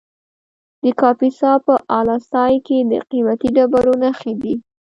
د کاپیسا په اله سای کې د قیمتي ډبرو نښې دي.